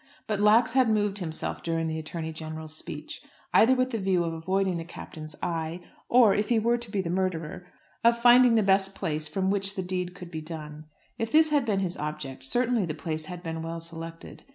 But Lax had moved himself during the Attorney General's speech, either with the view of avoiding the Captain's eyes, or, if he were to be the murderer, of finding the best place from which the deed could be done. If this had been his object, certainly the place had been well selected.